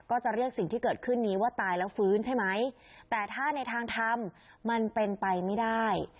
ก็จะเรียกสิ่งที่เกิดขึ้นนี้ว่าตายแล้วฟื้นใช่ไหมแต่ถ้าในทางทำมันเป็นไปไม่ได้